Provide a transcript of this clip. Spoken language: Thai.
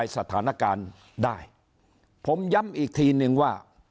สถานการณ์ได้ผมย้ำอีกทีนึงว่า